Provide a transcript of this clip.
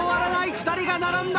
２人が並んだ！